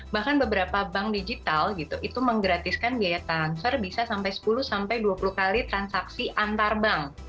bahkan beberapa bank digital gitu itu menggratiskan biaya transfer bisa sampai sepuluh sampai dua puluh kali transaksi antar bank